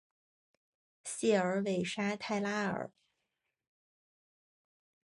谢尔韦沙泰拉尔。